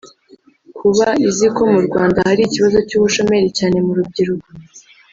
kuba izi ko mu Rwanda hari ikibazo cy’ubushomeri cyane mu rubyiruko